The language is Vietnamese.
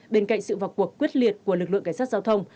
bên cạnh sự vào cuộc quyết liệt của lực lượng cảnh sát giao thông